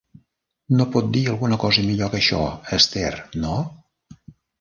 No pot dir alguna cosa millor que això, Esther, no?